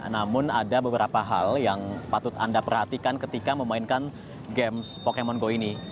namun ada beberapa hal yang patut anda perhatikan ketika memainkan games pokemon go ini